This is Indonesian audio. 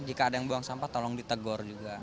jika ada yang buang sampah tolong ditegur juga